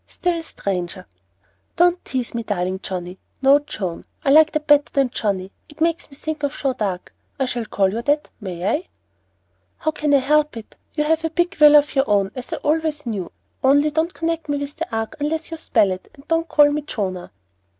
"Still stranger." "Don't tease me, darling Johnnie, no, Joan; I like that better than Johnnie. It makes me think of Joan d'Arc. I shall call you that, may I?" "How can I help it? You have a big will of your own, as I always knew. Only don't connect me with the ark unless you spell it, and don't call me Jonah."